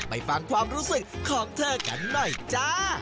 ไปฟังความรู้สึกของเธอกันหน่อยจ้า